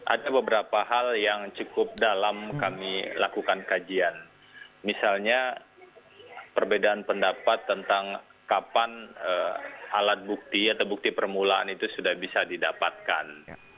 ada beberapa hal yang cukup dalam kami lakukan kajian misalnya perbedaan pendapat tentang kapan alat bukti atau bukti permulaan itu sudah bisa didapatkan